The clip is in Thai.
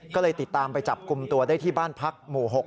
ก็เลยติดตามไปจับกลุ่มตัวได้ที่บ้านพักหมู่๖